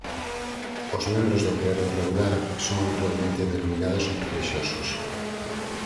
Os membros do clero regular son habitualmente denominados relixiosos.